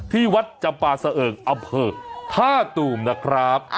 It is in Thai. ที่วัชย์จันทรป่าเสิงท่าตู่มนะครับ